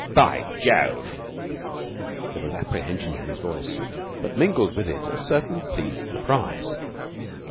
'By Jove!' There was apprehension in his voice, but mingled with it a certain pleased surprise.